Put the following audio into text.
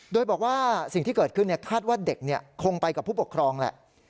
โดยบอกว่าสิ่งที่เกิดขึ้นคาดว่าเด็กคงไปกับผู้ปกครองแหละ